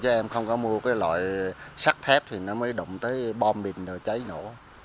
chứ em không có mua cái loại sắc thép thì nó mới động tới bom bình cháy nổ